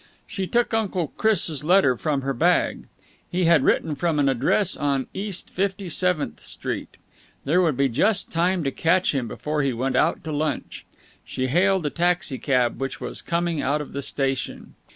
She took Uncle Chris' letter from her bag. He had written from an address on East Fifty seventh Street. There would be just time to catch him before he went out to lunch. She hailed a taxi cab which was coming out of the station.